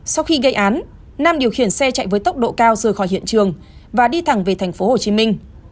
sau khi gây án nam điều khiển xe chạy với tốc độ cao rời khỏi hiện trường và đi thẳng về thành phố hồ chí minh